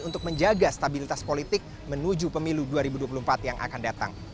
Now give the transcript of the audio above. untuk menjaga stabilitas politik menuju pemilu dua ribu dua puluh empat yang akan datang